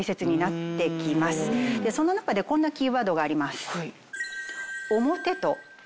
その中でこんなキーワードがあります。